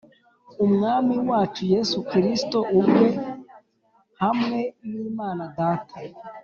Umwami wacu Yesu Kristo ubwe hamwe n’Imana Data